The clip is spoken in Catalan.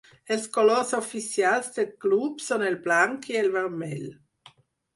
Els colors oficials del club són el blanc i el vermell.